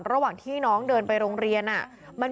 เมื่อรับรับอย่างเทียงไปโรงเรียน